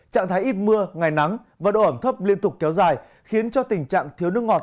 trạng thái ít mưa ngày nắng và độ ẩm thấp liên tục kéo dài khiến cho tình trạng thiếu nước ngọt